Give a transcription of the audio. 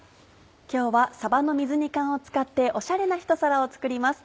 今日はさばの水煮缶を使ってオシャレなひと皿を作ります。